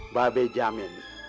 mbak be jamin